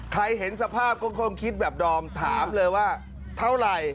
เห็นสภาพก็คงคิดแบบดอมถามเลยว่าเท่าไหร่